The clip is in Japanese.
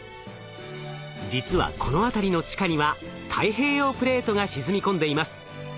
実はこの辺りの地下には太平洋プレートが沈み込んでいます。